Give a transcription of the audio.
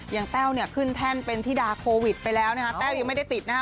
แต้วเนี่ยขึ้นแท่นเป็นธิดาโควิดไปแล้วนะคะแต้วยังไม่ได้ติดนะฮะ